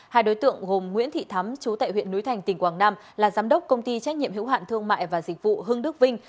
hai đối tượng gồm nguyễn thị thắm chú tại huyện núi thành tỉnh quảng nam là giám đốc công ty trách nhiệm hữu hạn thương mại và dịch vụ hưng đức vinh